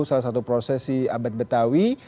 salah satu prosesi abad betawi